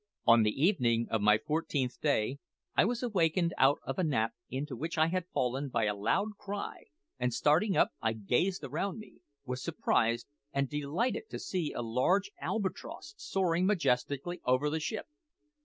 On the evening of my fourteenth day I was awakened out of a nap into which I had fallen by a loud cry, and starting up, I gazed around me. I was surprised and delighted to see a large albatross soaring majestically over the ship.